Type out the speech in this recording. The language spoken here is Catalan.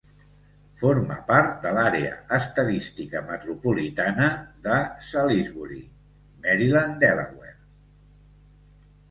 Forma part de l'àrea estadística metropolitana de Salisbury, Maryland-Delaware.